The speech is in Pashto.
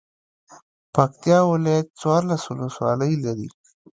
پکتيا ولايت څوارلس ولسوالۍ لري.